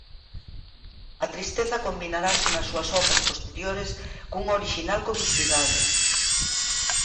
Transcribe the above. A tristeza combinarase nas súas obras posteriores cunha orixinal comicidade.